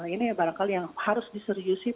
ini barangkali yang harus diseriusi